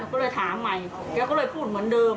ก็เลยถามใหม่แกก็เลยพูดเหมือนเดิม